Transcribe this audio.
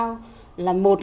ơ ơ ơ